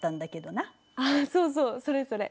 あっそうそうそれそれ！